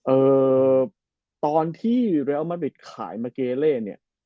เอ่อตอนที่เรียลมาริดขายมาเกเล่เนี่ย